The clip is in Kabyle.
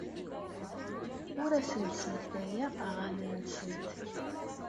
Ur asent-d-smektayeɣ aɣanen-nsent.